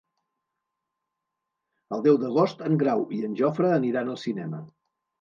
El deu d'agost en Grau i en Jofre aniran al cinema.